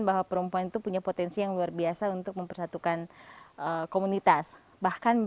bahwa perempuan itu punya potensi yang luar biasa untuk mempersatukan komunitas bahkan